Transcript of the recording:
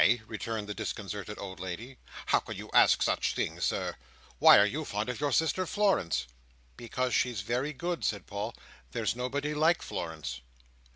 returned the disconcerted old lady. "How can you ask such things, Sir! why are you fond of your sister Florence?" "Because she's very good," said Paul. "There's nobody like Florence."